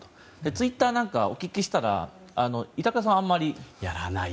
ツイッターなんかはお聞きしたら板倉さんはあまり。